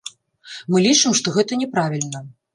Мы лічым, што гэта няправільна.